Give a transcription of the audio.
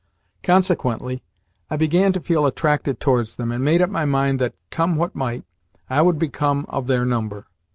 Consequently, I began to feel attracted towards them, and made up my mind that, come what might, I would become of their number.